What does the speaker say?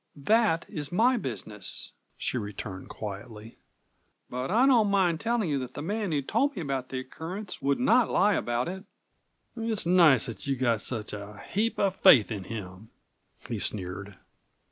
"That is my business," she returned quietly. "But I don't mind telling you that the man who told me about the occurrence would not lie about it." "It's nice that you've got such a heap of faith in him," he sneered.